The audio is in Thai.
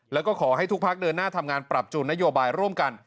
แล้วก็ขอให้ทุกพักเดินหน้าทำงานปรับจูนนโยบายร่วมกัน